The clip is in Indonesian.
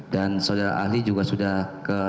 dan saudara ahli juga sudah ke